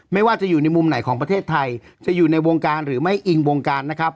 ไม่ว่าจะอยู่ในมุมไหนของประเทศไทยจะอยู่ในวงการหรือไม่อิงวงการนะครับ